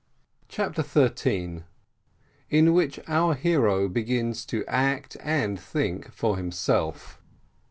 CHAPTER THIRTEEN. IN WHICH OUR HERO BEGINS TO ACT AND THINK FOR HIMSELF.